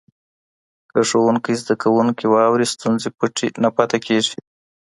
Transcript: که ښوونکی زده کوونکي واوري، ستونزې پټې نه پاته کېږي.